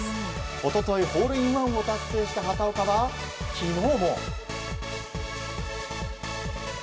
一昨日ホールインワンを達成した畑岡は、昨日も。